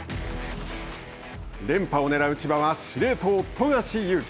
連覇をねらう千葉は司令塔・富樫勇樹